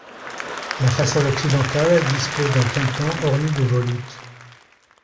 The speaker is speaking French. La façade occidentale dispose d'un tympan orné de volutes.